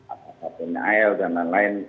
apakah punya air dan lain lain